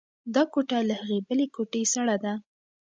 دا کوټه له هغې بلې کوټې سړه ده.